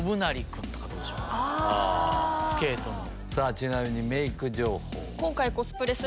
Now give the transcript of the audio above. ちなみにメーク情報。